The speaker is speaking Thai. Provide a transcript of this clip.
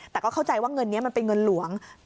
แต่ก็เข้าใจว่าเงินนี้มันเป็นเงินหลวง